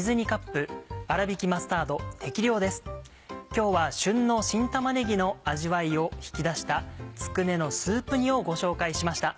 今日は旬の新玉ねぎの味わいを引き出したつくねのスープ煮をご紹介しました。